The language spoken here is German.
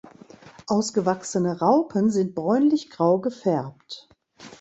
Ausgewachsene Raupen sind bräunlich grau gefärbt.